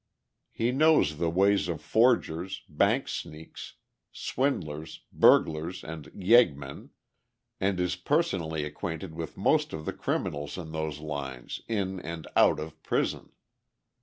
He knows the ways of forgers, bank sneaks, swindlers, burglars and "yeggmen," and is personally acquainted with most of the criminals in those lines in and out of prison.